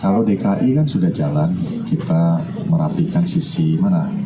kalau dki kan sudah jalan kita merapikan sisi mana